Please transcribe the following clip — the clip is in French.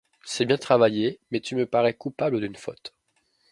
C’est bien travaillé ; mais tu me parais coupable d’une faute.